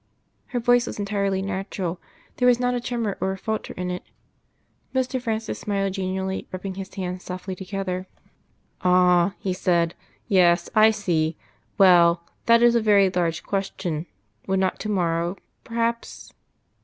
Her voice was entirely natural; there was not a tremor or a falter in it. Mr. Francis smiled genially, rubbing his hands softly together. "Ah!" he said. "Yes, I see.... Well, that is a very large question. Would not to morrow, perhaps